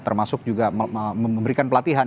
termasuk juga memberikan pelatihan